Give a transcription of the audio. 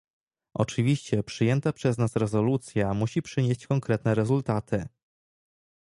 Oczywiście przyjęta przez nas rezolucja musi przynieść konkretne rezultaty